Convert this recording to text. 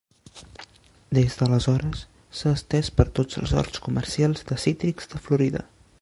Des d'aleshores s'ha estès per tots els horts comercials de cítrics de Florida.